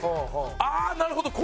「ああなるほど！